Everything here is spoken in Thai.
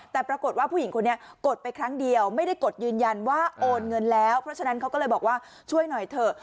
แต่ปรากฏว่าผู้หญิงคนนี้กดไปครั้งเดียวไม่ได้กดยืนยันว่าโอนเงินแล้วเพราะฉะนั้นเขาก็เลยบอกว่าช่วยหน่อยเถอะ